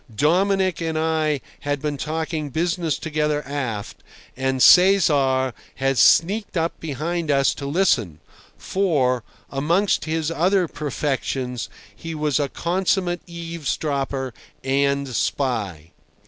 Dominic and I had been talking business together aft, and Cesar had sneaked up behind us to listen, for, amongst his other perfections, he was a consummate eavesdropper and spy.